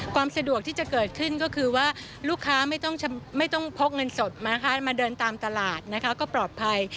ความสะดวกที่จะเกิดขึ้นก็คือว่าลูกค้าไม่ต้องพกเงินสดนะคะมาเดินตามตลาดนะคะก็ปลอดภัย